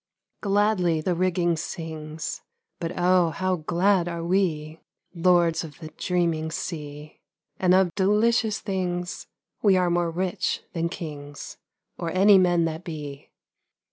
Gladly the rigging sings, But, oh ! how glad are we, Lords of the dreaming sea, And of delicious things ; 45 THE HAPPY CRUISE We are more rich than kings, Or any men that be